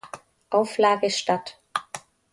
Auflage statt.